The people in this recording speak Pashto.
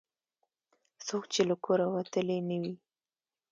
څوک چې له کوره وتلي نه وي.